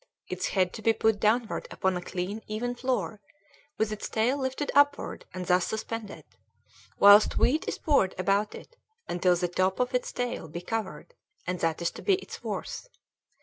Its head to be put downward upon a clean, even floor, with its tail lifted upward and thus suspended, whilst wheat is poured about it until the top of its tail be covered and that is to be its worth.